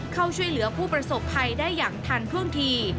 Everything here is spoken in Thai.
เข้าช่วยเหลือผู้ประสบภัยได้อย่างทันท่วงที